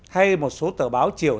hay một số tờ báo chiều